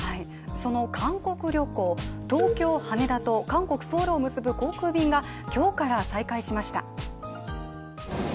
その韓国旅行、東京・羽田と韓国・ソウルを結ぶ航空便が今日から再開しました。